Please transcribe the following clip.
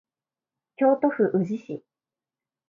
京都府宇治市